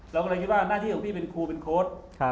เราก็เลยคิดว่าหน้าที่ของพี่เป็นครูเป็นโค้ด